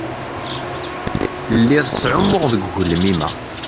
Lliɣa ttɛummuɣ deg ugelmim-a.